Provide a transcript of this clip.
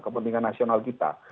kepentingan nasional kita